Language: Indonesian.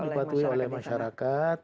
sangat dipatuhi oleh masyarakat